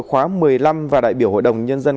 khóa một mươi năm và đại biểu hội đồng nhân dân